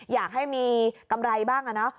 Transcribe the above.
อยากให้มีกำไรบ้างนะเนาะ